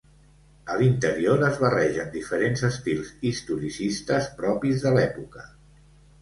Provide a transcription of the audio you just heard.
A l'interior es barregen diferents estils historicistes propis de l'època.